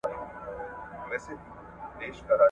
د بیان ازادي باید بل چا ته زیان ونه رسوي.